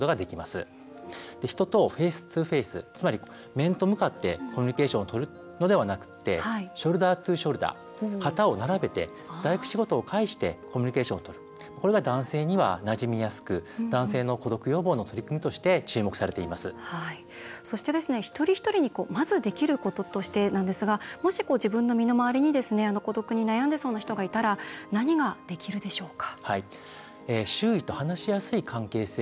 人とフェイストゥフェイスつまり面と向かってコミュニケーションをとるのではなくてショルダートゥショルダー肩を並べて大工仕事を介してコミュニティーをとるこれが男性になじみやすくて認知症予防としてもそして一人一人にまずできることとしてなんですがもし自分の身の回りに孤独で悩んでる人がいたら何ができるでしょうか。